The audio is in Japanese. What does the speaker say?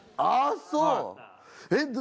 あそう。